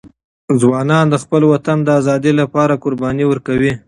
ځوانان د خپل وطن د ازادۍ لپاره قرباني ورکوي.